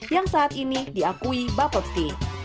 yang saat ini diakui bubblesti